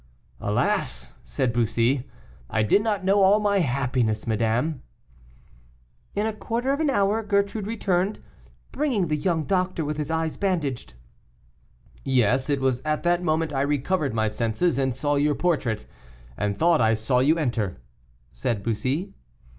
"Alas!" said Bussy, "I did not know all my happiness, madame." "In a quarter of an hour Gertrude returned, bringing the young doctor with his eyes bandaged." "Yes, it was at that moment I recovered my senses and saw your portrait, and thought I saw you enter," said Bussy.